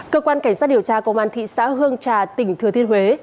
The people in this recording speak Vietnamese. cơ quan cảnh sát điều tra công an thị xã hương trà tỉnh thừa thiên huế